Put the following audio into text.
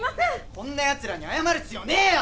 こんな奴らに謝る必要ねえよ！